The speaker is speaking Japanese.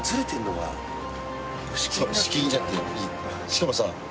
しかもさ。